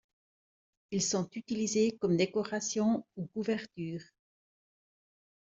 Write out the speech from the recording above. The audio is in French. Ils sont utilisés comme décoration ou couverture.